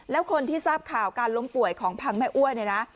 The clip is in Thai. แล้วคนที่ทราบข่าวการล้มป่วยของพังแม่อ้วยเนี่ยนะ